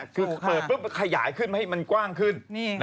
คือเปิดปุ๊บขยายขึ้นให้มันกว้างขึ้น